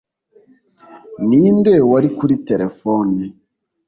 ninde wari kuri terefone